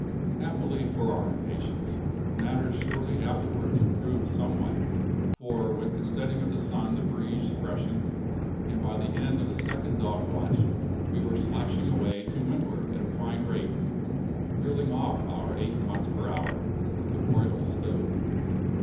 Happily for our impatience, matters shortly afterwards improved somewhat, for with the setting of the sun the breeze freshened, and by the end of the second dog watch we were slashing away to windward at a fine rate, reeling off our eight knots per hour, with the royal stowed.